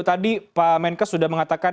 tadi pak menkes sudah mengatakan